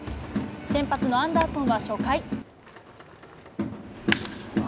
先発のアンダーソンは初回。